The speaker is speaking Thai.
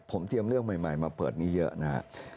ผมเตรียมเรื่องใหม่มาเปิดนี้เยอะนะครับ